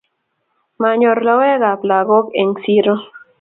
Manyor lokoek ab lakok eng siro